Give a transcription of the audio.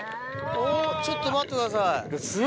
おぉちょっと待ってください。